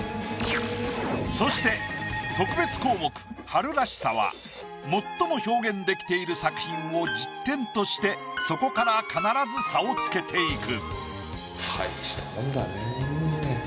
そして特別項目春らしさは最も表現できている作品を１０点としてそこから必ず差をつけていく。